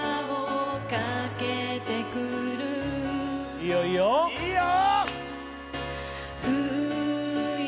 いいよいいよいいよ